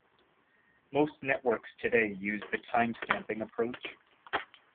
Most networks today use the timestamping approach.